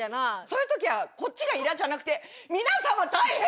そういう時はこっちがイラっじゃなくて。